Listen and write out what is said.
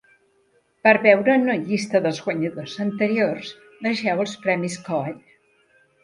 Per veure una llista dels guanyadors anteriors, vegeu els Premis Cohen.